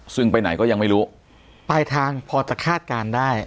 ซึ่งไปไหนก็ยังไม่รู้ปลายทางพอจะคาดการณ์ได้